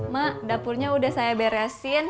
mak dapurnya udah saya beresin